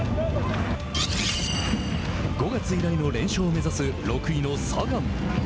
５月以来の連勝を目指す６位のサガン。